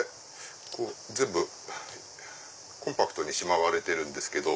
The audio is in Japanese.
全部コンパクトにしまわれてるんですけど。